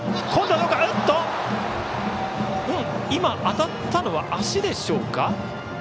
当たったのは足でしょうか。